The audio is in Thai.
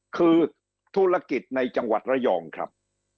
คือธุรกิจในจังหวัดระยองครับ